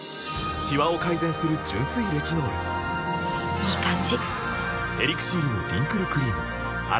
いい感じ！